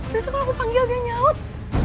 besok kalau aku panggil dia nyaut